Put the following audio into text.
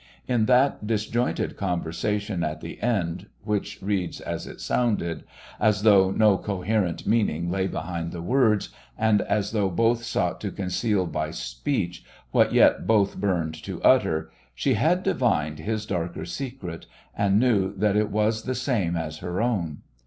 In that disjointed conversation at the end, which reads as it sounded, as though no coherent meaning lay behind the words, and as though both sought to conceal by speech what yet both burned to utter, she had divined his darker secret, and knew that it was the same as her own.